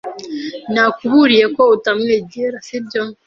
Nakuburiye ko utamwegera, sibyo?